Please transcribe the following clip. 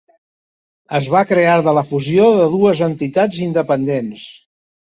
Es va crear de la fusió de dues entitats independents.